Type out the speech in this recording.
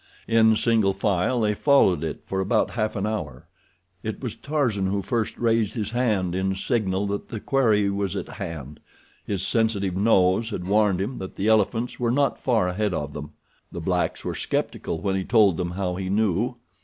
In single file they followed it for about half an hour. It was Tarzan who first raised his hand in signal that the quarry was at hand—his sensitive nose had warned him that the elephants were not far ahead of them. The blacks were skeptical when he told them how he knew.